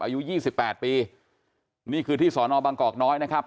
อายุยี่สิบแปดปีนี่คือที่สอนอบางกอกน้อยนะครับ